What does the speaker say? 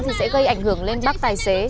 thì sẽ gây ảnh hưởng lên bác tài xế